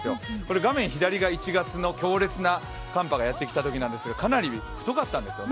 画面左が１月の強烈な寒波がやってきたときなんですがかなり太かったんですよね。